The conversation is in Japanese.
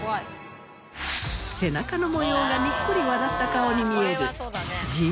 背中の模様がニッコリ笑った顔に見える。